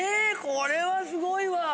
これはすごいわ！